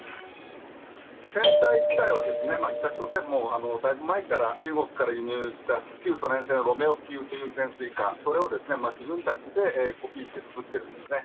船体自体は北朝鮮もだいぶ前から中国から輸入した旧ソ連製のロメオ級という潜水艦、それを自分たちでコピーして作ってるんですね。